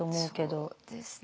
そうですね。